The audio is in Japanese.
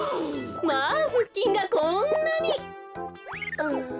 まあふっきんがこんなに！